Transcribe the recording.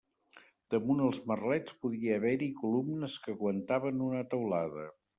Damunt els merlets podia haver-hi columnes que aguantaven una teulada.